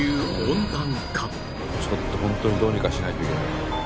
ちょっとホントにどうにかしないといけない。